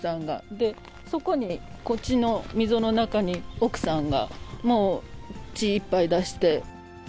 で、そこに、こっちの溝の中に奥さんが、もう血いっぱい出して。